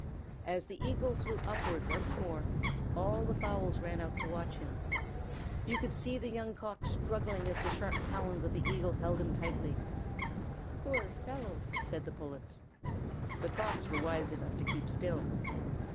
As the Eagle flew upward once more, all the fowls ran out to watch him. They could see the Young Cock struggling as the sharp talons of the Eagle held him tightly. "Poor fellow!" said the Pullets. The Cocks were wise enough to keep still.